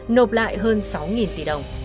nộp lại hơn sáu tỷ đồng